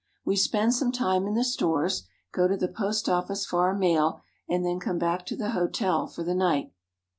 We spend some time in the stores, go to the post office for our mail, and then come back to the hotel for the night.